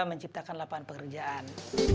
bisa menciptakan lapangan pekerjaan